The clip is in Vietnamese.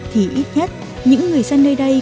thì ít nhất những người dân nơi đây